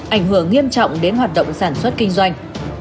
ảnh hưởng nghiêm trọng đến hoạt động sản xuất kinh doanh